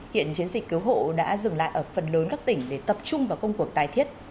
hiện chiến dịch cứu hộ đã dừng lại ở phần lớn các tỉnh để tập trung vào công cuộc tái thiết